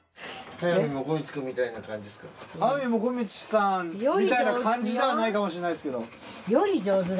速水もこみちさんみたいな感じではないかもしれないですけど。